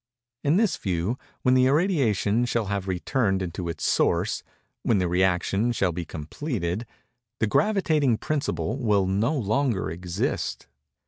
In this view, when the irradiation shall have returned into its source—when the rëaction shall be completed—the gravitating principle will no longer exist.